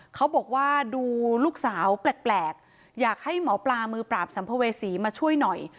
เขาบอกว่าดูลูกสาวแปลกอยากให้หมอปลามือปราบสัมภเวษีมาช่วยหน่อย